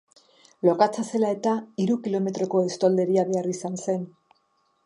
Lokatza zela eta hiru kilometroko estolderia behar izan zen.